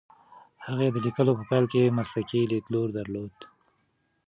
هغې د لیکلو په پیل کې مسلکي لیدلوری درلود.